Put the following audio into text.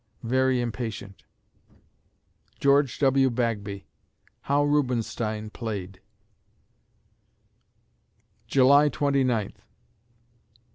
very impatient.... GEORGE W. BAGBY (How Rubenstein Played) July Twenty Ninth